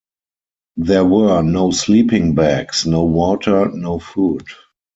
There were no sleeping bags, no water, no food.